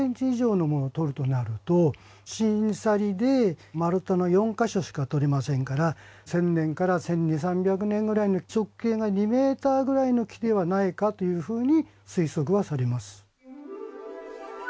４０ｃｍ以上のものを取るとなると芯去りで丸太の４か所しか取れませんから１０００年から１２００１３００年くらいの直径が２ｍくらいの木ではないかというふうに推測はされます。